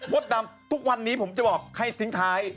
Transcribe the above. ดำทุกวันนี้ผมจะบอกให้ทิ้งท้าย